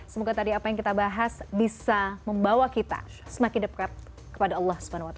semoga tadi apa yang kita bahas bisa membawa kita semakin dekat kepada allah swt